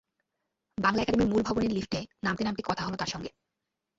বাংলা একাডেমির মূল ভবনের লিফটে নামতে নামতে কথা হলো তাঁর সঙ্গে।